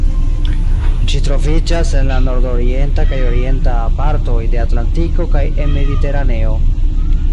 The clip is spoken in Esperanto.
Ĝi troviĝas en la nordorienta kaj orienta partoj de Atlantiko kaj en Mediteraneo.